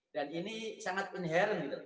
dan ini sangat inherent